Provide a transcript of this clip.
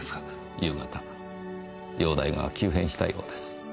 夕方容体が急変したようです。